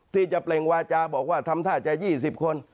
ที่จะเปล่งวาจาบอกว่าทำท่าจะ๒๐คน